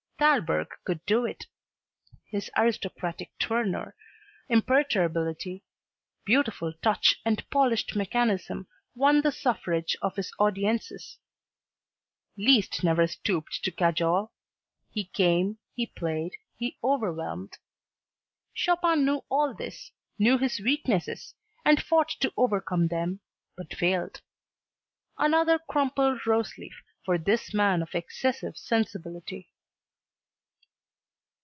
Thalberg could do it; his aristocratic tournure, imperturbability, beautiful touch and polished mechanism won the suffrage of his audiences. Liszt never stooped to cajole. He came, he played, he overwhelmed. Chopin knew all this, knew his weaknesses, and fought to overcome them but failed. Another crumpled roseleaf for this man of excessive sensibility.